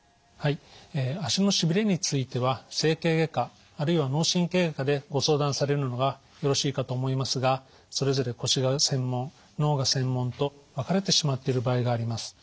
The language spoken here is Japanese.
足のしびれについては整形外科あるいは脳神経外科でご相談されるのがよろしいかと思いますがそれぞれ腰が専門脳が専門と分かれてしまっている場合があります。